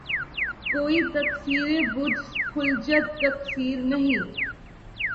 کوئی تقصیر بجُز خجلتِ تقصیر نہیں